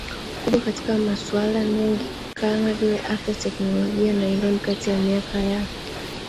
kubwa katika masuala mengi kama vile afya teknolojia na elimu Kati ya miaka ya